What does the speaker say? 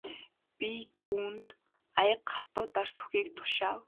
Би түүнд аяга хатуу дарс өгөхийг тушаав.